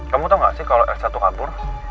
kamu tau gak sih kalo r satu kabur